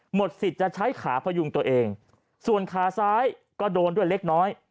หมดสิทธิ์จะใช้ขาพยุงตัวเองส่วนขาซ้ายก็โดนด้วยเล็กน้อย